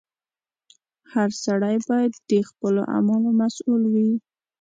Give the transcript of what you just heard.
• هر سړی باید د خپلو اعمالو مسؤل وي.